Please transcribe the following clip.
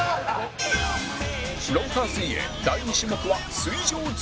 ロンハー水泳第２種目は水上相撲